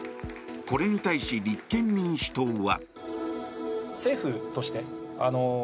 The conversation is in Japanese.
これに対し立憲民主党は。